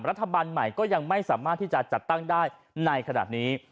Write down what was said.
รัฐบาลใหม่ก็ยังไม่สามารถที่จะจัดตั้งได้ในขณะนี้